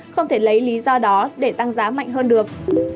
không thể lấy lý do đó để tăng giá mạnh hơn được